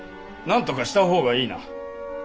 なんとかした方がいいな。